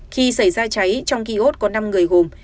khi xảy ra cháy trong kỳ hốt có năm người gồm